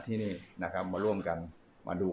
ตอนนี้ก็ไม่มีอัศวินทรีย์